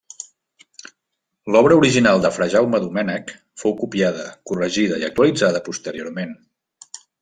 L'obra original de fra Jaume Domènec fou copiada, corregida i actualitzada posteriorment.